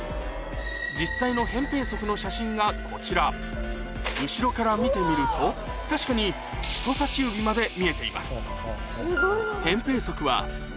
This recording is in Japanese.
実際の扁平足の写真がこちら後ろから見てみると確かに人さし指まで見えています